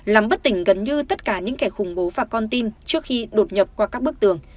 làm bất tỉnh gần như tất cả những kẻ khủng bố và con tin trước khi đột nhập qua các bức tường